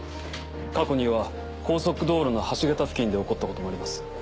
過去には高速道路の橋桁付近で起こったこともあります。